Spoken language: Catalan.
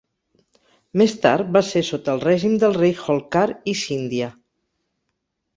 Més tard, va ser sota el règim del rei Holkar i Sindhia.